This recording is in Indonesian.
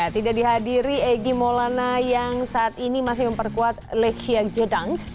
tidak dihadiri egy maulana yang saat ini masih memperkuat lechia gedangs